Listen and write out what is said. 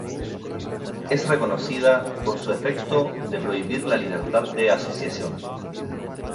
Es reconocida por su efecto de prohibir la libertad de asociación.